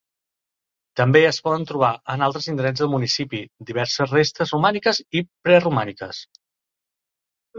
També es poden trobar, en altres indrets del municipi, diverses restes romàniques i preromàniques.